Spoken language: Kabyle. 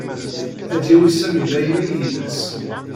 Ad d-yawi Sami Layla yid-s.